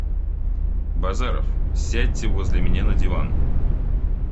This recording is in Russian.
Базаров, сядьте возле меня на диван.